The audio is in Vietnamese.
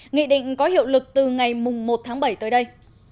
nghị định có hiệu lực từ ngày một tháng bảy tới đây